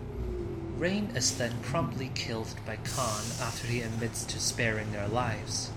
Rain is then promptly killed by Kahn after he admits to sparing their lives.